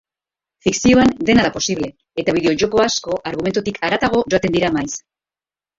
Fikzioan dena da posible eta bideo-joko asko argumentutik haratago joaten dira maiz.